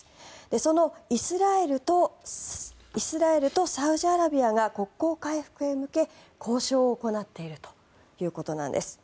そのイスラエルとサウジアラビアが国交回復へ向け交渉を行っているということなんです。